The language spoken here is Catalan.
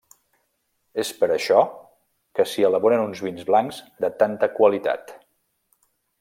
És per això que s'hi elaboren uns vins blancs de tanta qualitat.